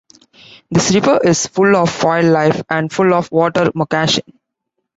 This river is full of wildlife and full of water moccasin.